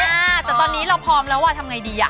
แต่ตอนนี้เราพร้อมแล้วอ่ะทำไงดีอ่ะ